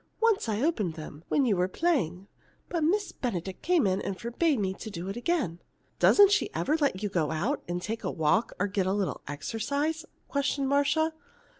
Once I opened them, when you were playing, but Miss Benedict came in just then and forbade me to do it again." "Doesn't she ever let you go out and take a walk or get a little exercise?" questioned Marcia.